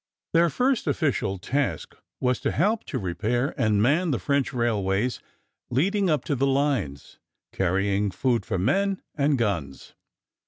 Their first official task was to help to repair and man the French railways leading up to the lines, carrying food for men and guns.